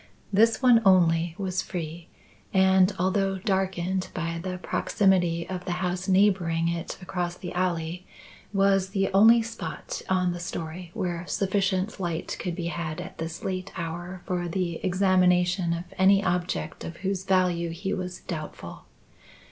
This one only was free and, although darkened by the proximity of the house neighbouring it across the alley, was the only spot on the storey where sufficient light could be had at this late hour for the examination of any object of whose value he was doubtful.